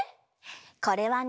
これはね